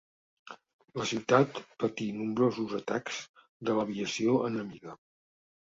La ciutat patí nombrosos atacs de l'aviació enemiga.